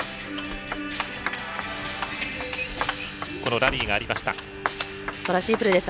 このラリーがありました。